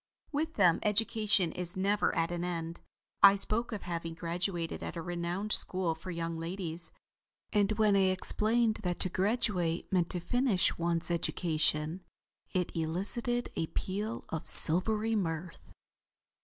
With them education is never at an end. I spoke of having graduated at a renowned school for young ladies, and when I explained that to graduate meant to finish one's education, it elicited a peal of silvery mirth.